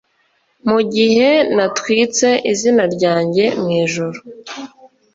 mugihe natwitse izina ryanjye mwijuru